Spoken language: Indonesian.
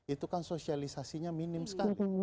itu kan sosialisasinya minim sekali